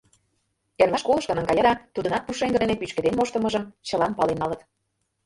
Эрла школышко наҥгая, да тудынат пушеҥге дене пӱчкеден моштымыжым чылан пален налыт.